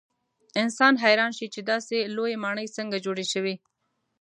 انسان حیران شي چې داسې لویې ماڼۍ څنګه جوړې شوې.